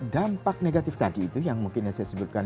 dampak negatif tadi itu yang mungkin yang saya sebutkan